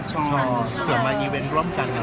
ต้องการฏร้อนการชัมพยายาม